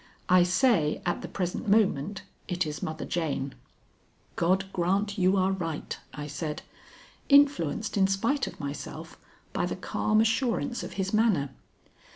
I say at the present moment it is Mother Jane." "God grant you are right," I said, influenced in spite of myself by the calm assurance of his manner.